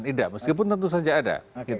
tidak meskipun tentu saja ada